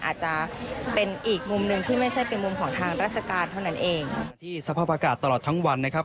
อาจจะเป็นอีกมุมหนึ่งที่ไม่ใช่เป็นมุมของทางราชการเท่านั้นเองที่สภาพอากาศตลอดทั้งวันนะครับ